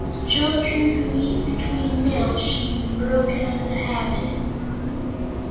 Children who eat between meals should be broken of the habit."